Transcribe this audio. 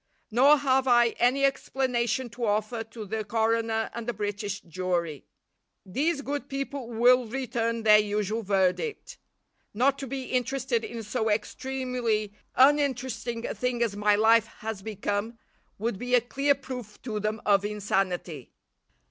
Nor have I any explanation to offer to the coroner and the British jury. These good people will return their usual verdict. Not to be interested in so extremely uninteresting a thing as my life has become, would be a clear proof to them of insanity.